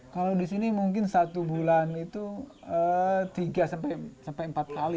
kalau di sini mungkin satu bulan itu tiga sampai empat kali